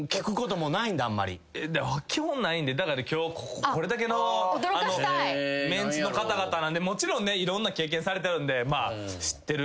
基本ないんでだから今日これだけのメンツの方々なんでもちろんいろんな経験されてるんで知ってるかなって。